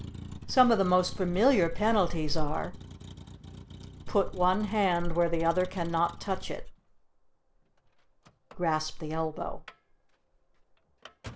Some of the most familiar penalties are: Put one hand where the other cannot touch it. Grasp the elbow.